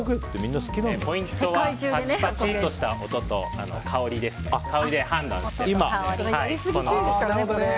ポイントはパチパチとした音と香りで判断してください。